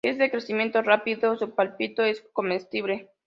Es de crecimiento rápido, su palmito es comestible.